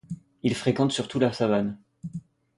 Ils fréquentent surtout la savane.